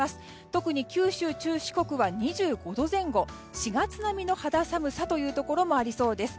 特に九州、中四国は２５度前後４月並みの肌寒さというところもありそうです。